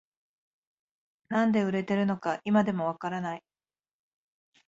なんで売れてるのか今でもわからない